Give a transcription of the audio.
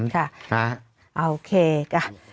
ค่ะโอเคค่ะครับ